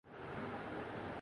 Asia